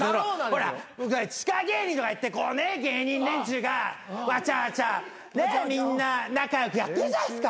ほら地下芸人とか言ってこうね芸人連中がわちゃわちゃみんな仲良くやってるじゃないですか。